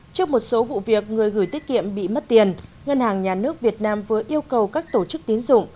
trước một số vụ việc người gửi tiết kiệm bị mất tiền ngân hàng nhà nước việt nam vừa yêu cầu các tổ chức tín dụng